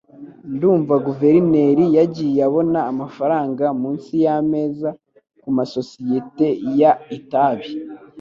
Ndumva guverineri yagiye abona amafaranga munsi yameza kumasosiyete y itabi